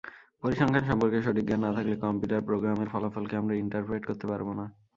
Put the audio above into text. পরিসংখ্যান সম্পর্কে সঠিক জ্ঞান না থাকলে কম্পিউটার প্রোগ্রামের ফলাফলকে আমরা ইন্টারপ্রেট করতে পারবো না।